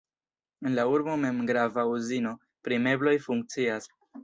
En la urbo mem grava uzino pri mebloj funkcias.